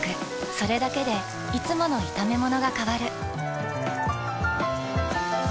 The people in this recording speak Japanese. それだけでいつもの炒めものが変わる。